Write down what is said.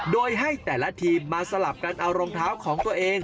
โดยให้แต่ละทีมมาสลับกันเอารองเท้าของตัวเอง